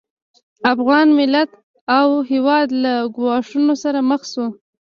افغان ملت او هېواد له ګواښونو سره مخ شو